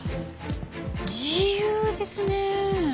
自由ですねえ。